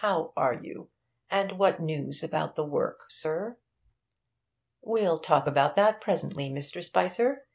How are you? And what news about the work, sir?' 'We'll talk about that presently, Mr. Spicer.